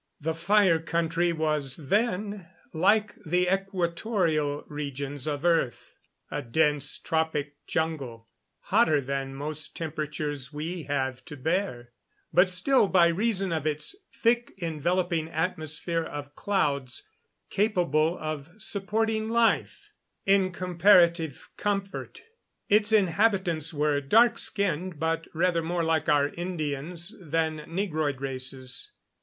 The Fire Country was then like the equatorial regions of earth a dense, tropic jungle, hotter than most temperatures we have to bear, but still, by reason of its thick enveloping atmosphere of clouds, capable of supporting life in comparative comfort. Its inhabitants were dark skinned, but rather more like our Indians than Negroid races.